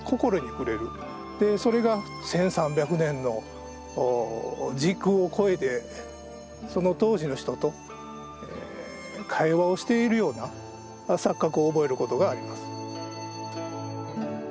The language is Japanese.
それが１，３００年の時空を超えてその当時の人と会話をしているような錯覚を覚えることがあります。